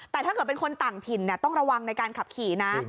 แต่ถ้าเกิดเป็นคนต่างถิ่นต้องระวังในการขับขี่นะ